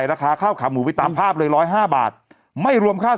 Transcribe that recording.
ช่างที่คุณแม่เป็นพิธีกรกับคุณกริช